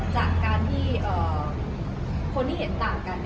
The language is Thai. จากการที่คนที่เห็นต่างกัน